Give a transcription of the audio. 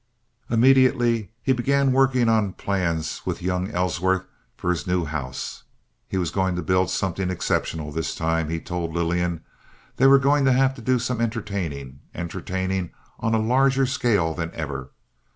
Immediately he began working on plans with young Ellsworth for his new house. He was going to build something exceptional this time, he told Lillian. They were going to have to do some entertaining—entertaining on a larger scale than ever.